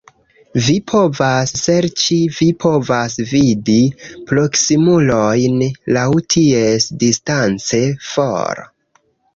Vi povas serĉi... vi povas vidi proksimulojn laŭ ties distance for